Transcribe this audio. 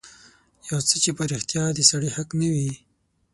يو څه چې په رښتيا د سړي حق نه وي.